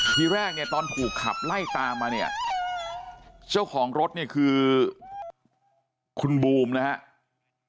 ทีแรกเนี่ยตอนถูกขับไล่ตามมาเนี่ยเจ้าของรถเนี่ยคือคุณบูมนะครับ